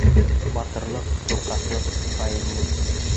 Батырлыҡ, ҡурҡаҡлыҡ, хаинлыҡ